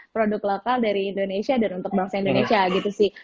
produk lokal dari indonesia dan untuk bangsa indonesia gitu sih